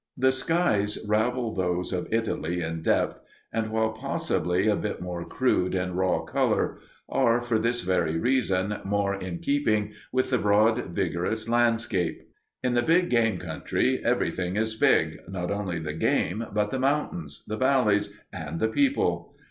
The skies rival those of Italy in depth, and, while possibly a bit more crude in raw color, are, for this very reason, more in keeping with the broad, vigorous landscape. In the big game country everything is big not only the game, but the mountains, the valleys, and the people.